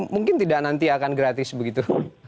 mungkin tidak nanti akan gratis begitu